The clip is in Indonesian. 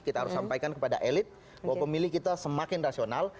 kita harus sampaikan kepada elit bahwa pemilih kita semakin rasional